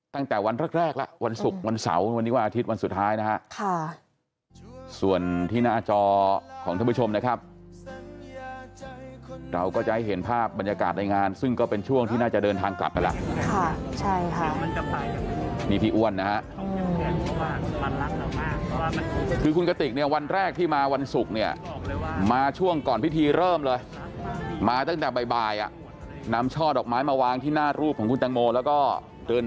ตั้งแต่วันแรกละวันศุกร์วันเสาร์วันนี้ว่าอาทิตย์วันสุดท้ายนะฮะค่ะส่วนที่หน้าจอของท่านผู้ชมนะครับเราก็จะเห็นภาพบรรยากาศในงานซึ่งก็เป็นช่วงที่น่าจะเดินทางกลับไปละค่ะใช่ค่ะนี่พี่อ้วนนะฮะคือคุณกติกเนี่ยวันแรกที่มาวันศุกร์เนี่ยมาช่วงก่อนพิธีเริ่มเลยมาตั้งแต่บ่าย